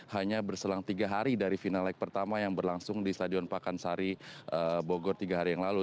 hanya berselang tiga hari dari final leg pertama yang berlangsung di stadion pakansari bogor tiga hari yang lalu